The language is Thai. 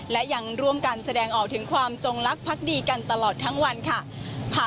และยังร่วมกันแสดงออกถึงความจงลักษ์ดีกันตลอดทั้งวันค่ะ